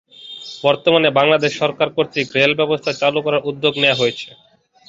বর্তমানে বাংলাদেশ সরকার কর্তৃক রেল ব্যবস্থা চালু করার উদ্যোগ নেয়া হয়েছে।